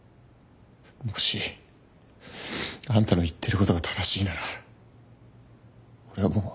もしあんたの言ってることが正しいなら俺はもう。